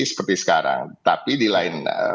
seperti sekarang tapi di lain